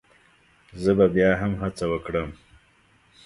زه به بيا هم هڅه وکړم